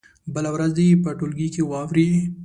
بله ورځ دې یې په ټولګي کې واوروي.